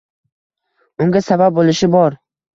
Unga sabab bo‘lishi bor.